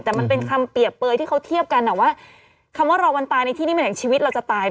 แต่มันเป็นความเปรียบเปยยที่เขาเทียบกันนะว่า